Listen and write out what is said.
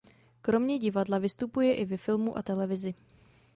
Kromě divadla vystupuje i ve filmu a televizi.